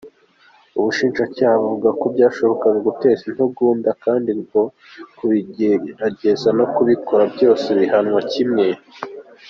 Ubushinjacyaha buvuga ko byashoboraga guteza intugunda, kandi ngo kubigerageza no kubikora byose bihanwa kimwe.